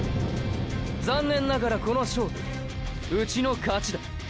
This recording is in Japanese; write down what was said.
残念ながらこの勝負うちの勝ちだ。